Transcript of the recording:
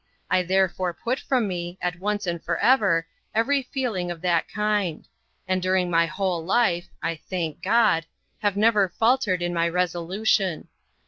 I therefore put from me, at once and for ever, every feeling of that kind; and during my whole life I thank God! have never faltered in my resolution.